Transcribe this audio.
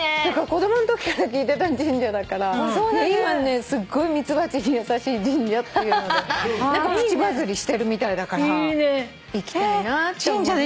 子供のときから聞いてた神社だから今ねすごいミツバチに優しい神社っていうのでプチバズりしてるみたいだから行きたいなと思ってる。